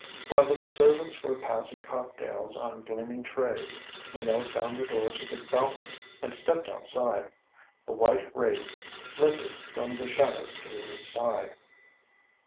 While the servants were passing cocktails on gleaming trays, Minot found the door to the balcony and stepped outside. A white wraith flitted from the shadows to his side.